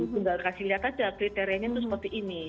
tinggal kasih lihat aja kriterianya itu seperti ini